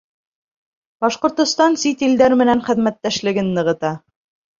Башҡортостан сит илдәр менән хеҙмәттәшлеген нығыта.